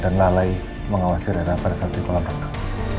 dan lalai mengawasi rena pada saat di kolam renang